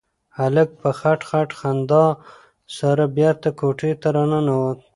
هلک په خټ خټ خندا سره بېرته کوټې ته راننوت.